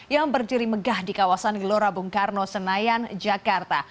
yang berdiri megah di kawasan gelora bung karno senayan jakarta